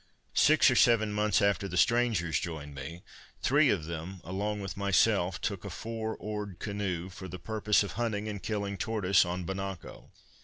Six or seven months after the strangers joined me, three of them, along with myself, took a four oared canoe, for the purpose of hunting and killing tortoise on Bonacco.